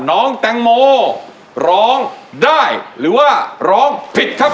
น้องแตงโมร้องได้หรือว่าร้องผิดครับ